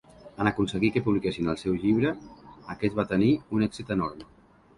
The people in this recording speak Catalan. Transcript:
En aconseguir que publiquessin el seu llibre, aquest va tenir un èxit enorme.